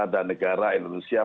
dan negara indonesia